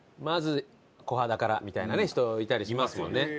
まず小肌からみたいな人いたりしますもんね。